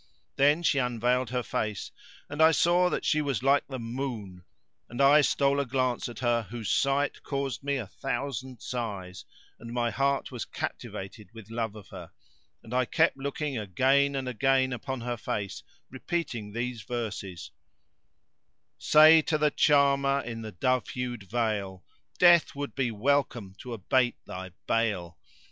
Then she unveiled her face, and I saw that she was like the moon and I stole a glance at her whose sight caused me a thousand sighs, and my heart was captivated with love of her, and I kept looking again and again upon her face repeating these verses:— "Say to the charmer in the dove hued veil, * Death would be welcome to abate thy bale!